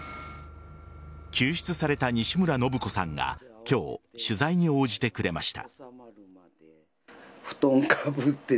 救出された西村信子さんが今日、取材に応じてくれました。